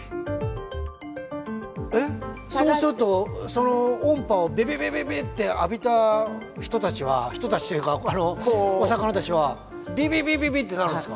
そうするとその音波をビビビビビッて浴びた人たちは人たちというかお魚たちはビリビリビリってなるんですか？